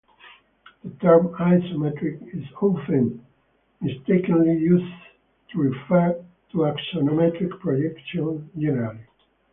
The term "isometric" is often mistakenly used to refer to axonometric projections, generally.